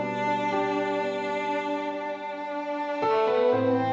romantik sangat beautiful teman teman